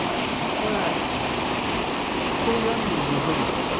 これ屋根にのせるんですか？